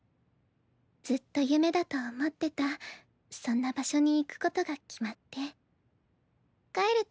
ずっと夢だと思ってたそんな場所に行くことが決まって帰る